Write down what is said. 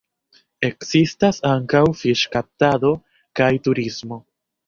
Ekzistas ankaŭ fiŝkaptado kaj turismo.